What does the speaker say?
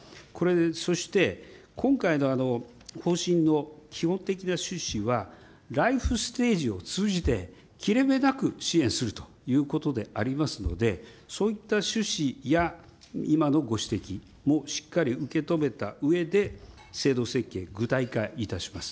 そして、今回の方針の基本的な趣旨は、ライフステージを通じて、切れ目なく支援するということでありますので、そういった趣旨や、今のご指摘もしっかり受け止めたうえで、制度設計、具体化いたします。